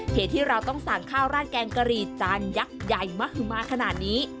ที่เราต้องสั่งข้าวราดแกงกะหรี่จานยักษ์ใหญ่มหึมาขนาดนี้